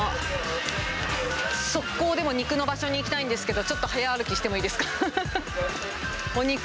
速攻でもう肉の場所に行きたいんですけど、ちょっと早歩きしてもいいですか。